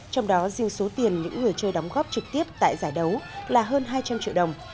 trong đó riêng số tiền những người chơi đóng góp trực tiếp tại giải đấu là hơn hai trăm linh triệu đồng